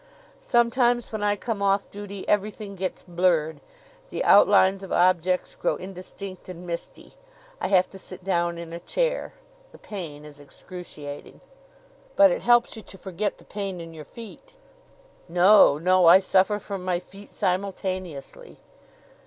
"Sometimes when I come off duty everything gets blurred. The outlines of objects grow indistinct and misty. I have to sit down in a chair. The pain is excruciating." "But it helps you to forget the pain in your feet." "No, no. I suffer from my feet simultaneously."